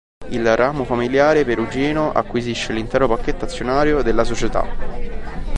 Il ramo familiare perugino acquisisce l'intero pacchetto azionario della società.